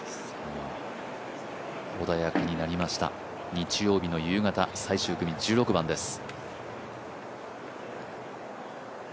穏やかになりました日曜日の夕方、最終組１６番です。